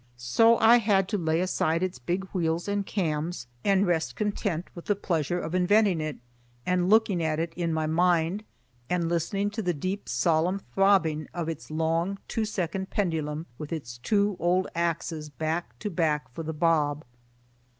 So I had to lay aside its big wheels and cams and rest content with the pleasure of inventing it, and looking at it in my mind and listening to the deep solemn throbbing of its long two second pendulum with its two old axes back to back for the bob.